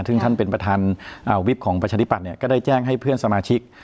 ซึ่งท่านเป็นประธานวิบของประชาธิปัตยก็ได้แจ้งให้เพื่อนสมาชิก